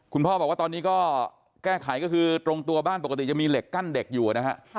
คุณพ่อบอกว่าตอนนี้ก็แก้ไขก็คือตรงตัวบ้านปกติจะมีเหล็กกั้นเด็กอยู่นะฮะ